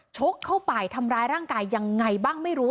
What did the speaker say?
ชกเข้าไปทำร้ายร่างกายยังไงบ้างไม่รู้